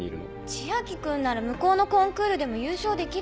千秋君なら向こうのコンクールでも優勝できるでしょう。